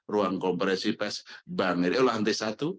ruang kompresi pes bank ini lantai satu